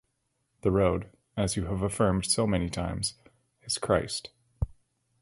The road, as you have affirmed so many times, is Christ.